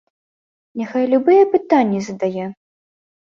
Няхай любыя пытанні задае!